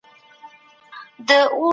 د ولایتونو بودیجه څنګه وېشل کېږي؟